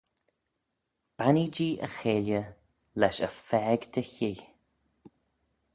Bannee-jee y cheilley lesh y phaag dy hee.